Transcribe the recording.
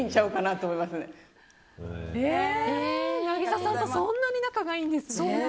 渚さんとそんなに仲がいいんですね。